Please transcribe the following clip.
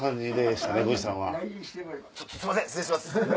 すいません失礼します。